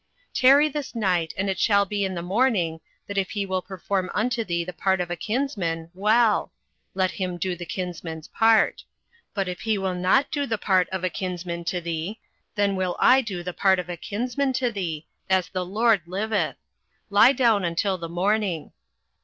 08:003:013 Tarry this night, and it shall be in the morning, that if he will perform unto thee the part of a kinsman, well; let him do the kinsman's part: but if he will not do the part of a kinsman to thee, then will I do the part of a kinsman to thee, as the LORD liveth: lie down until the morning.